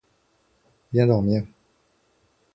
Viens dormir.